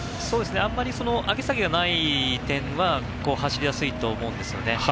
あんまり上げ下げがない点は走りやすいと思うんですね。